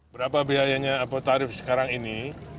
berapa biayanya apa tarif sekarang ini